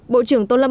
bộ trưởng tô lâm